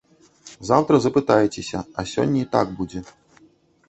Заўтра запытаецеся, а сягоння і так будзе.